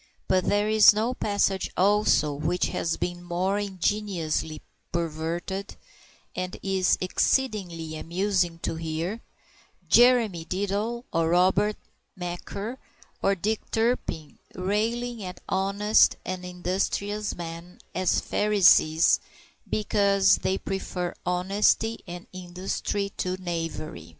But there is no passage, also, which has been more ingeniously perverted, and it is exceedingly amusing to hear Jeremy Diddler or Robert Macaire or Dick Turpin railing at honest and industrious men as Pharisees because they prefer honesty and industry to knavery.